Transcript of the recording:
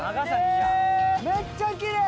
めっちゃきれい！